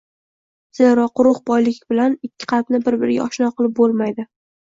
Zero, quruq boylik bilan ikki qalbni bir-biriga oshno qilib bo‘lmaydi.